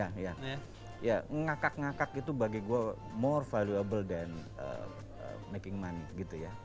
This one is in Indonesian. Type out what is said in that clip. jadi ngakak ngakak itu bagi gue more valuable than making money gitu ya